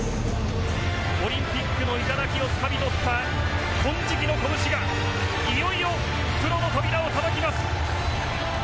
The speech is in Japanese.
オリンピックの頂をつかみとった金色の拳がいよいよプロの扉をたたきます。